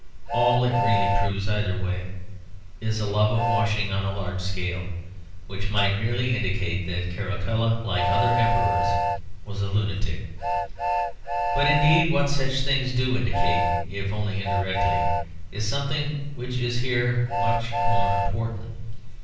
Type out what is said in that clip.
All it really proves either way is a love of washing on a large scale; which might merely indicate that Caracalla, like other Emperors, was a lunatic. But indeed what such things do indicate, if only indirectly, is something which is here much more important.